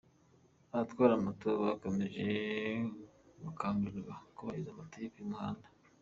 Abatwara moto bakomeje gukangurirwa kubahiriza amategeko y’umuhanda